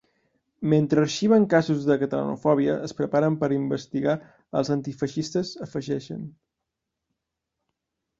Mentre arxiven casos de catalanofòbia, es preparen per investigar els antifeixistes, afegeixen.